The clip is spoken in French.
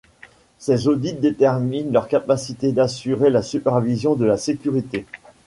Ces audits déterminent leur capacité d'assurer la supervision de la sécurité.